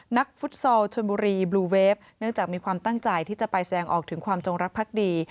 ฟุตซอลชนบุรีบลูเวฟเนื่องจากมีความตั้งใจที่จะไปแสดงออกถึงความจงรักภักดี